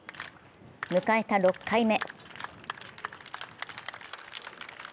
迎えた６回目。